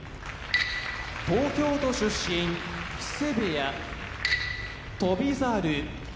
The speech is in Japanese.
東京都出身木瀬部屋翔猿